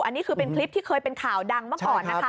อันนี้คือเป็นคลิปที่เคยเป็นข่าวดังเมื่อก่อนนะคะ